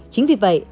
chính vì vậy